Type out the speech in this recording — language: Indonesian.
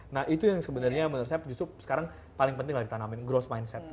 nah itu yang sebenarnya menurut saya justru sekarang paling penting lah ditanamin growth mindset